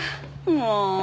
もう。